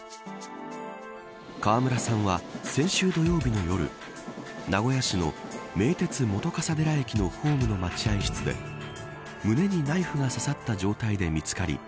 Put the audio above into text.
川村さんは、先週土曜日の夜名古屋市の名鉄本笠寺駅のホームの待合室で胸にナイフが刺さった状態で見つかり